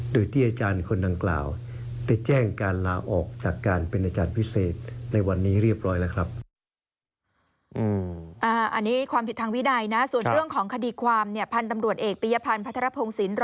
โดยที่อาจารย์คนต่างกล่าวได้แจ้งการลาออกจากการเป็นอาจารย์พิเศษ